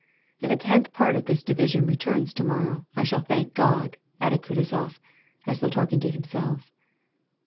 ^' If a tenth part of his division returns to morrow, I shall thank Crod," adc)^ Kutuzof, as though talking to himself.